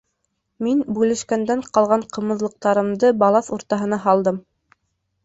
Мин бүлешкәндән ҡалған ҡымыҙлыҡтарымды балаҫ уртаһына һалдым.